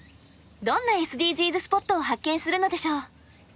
どんなＳＤＧｓスポットを発見するのでしょう。